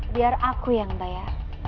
biar aku yang bayar